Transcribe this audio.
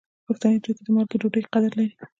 په پښتني دود کې د مالګې ډوډۍ قدر لري.